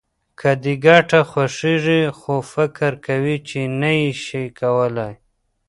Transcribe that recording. که دې ګټه خوښېږي خو فکر کوې چې نه يې شې کولای.